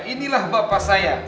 inilah bapak saya